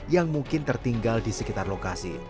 yang mungkin tertinggal di sekitar lokasi